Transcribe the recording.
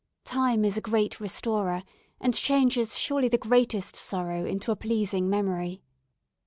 Time is a great restorer, and changes surely the greatest sorrow into a pleasing memory.